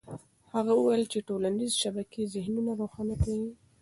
هغه وویل چې ټولنيزې شبکې ذهنونه روښانه کوي.